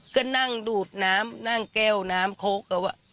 ก็นั่งดูดน้ำนั่งแก้วน้ำโคก